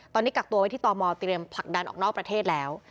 ตอนนี้กักตัวไว้ที่ตมเตรียมผลักดันออกนอกประเทศแล้ว